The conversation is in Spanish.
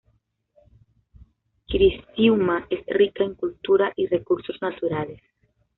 Criciúma es rica en cultura y recursos naturales.